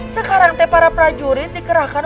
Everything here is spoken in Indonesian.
sekarang teh para prajurit dikerahkan